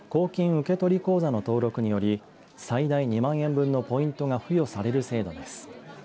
受取口座の登録により最大２万円分のポイントが付与される制度です。